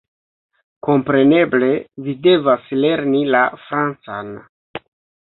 Kompreneble, vi devas lerni la francan!